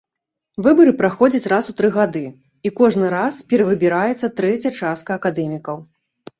Выбары праходзяць раз у тры гады і кожны раз перавыбіраецца трэцяя частка акадэмікаў.